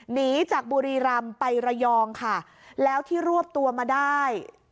หนีจากบุรีรำไประยองค่ะแล้วที่รวบตัวมาได้